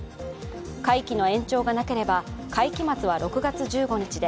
会期の延長がなければ会期末は６月１５日で